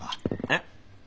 えっ？